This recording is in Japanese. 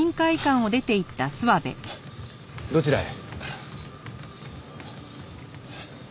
どちらへ？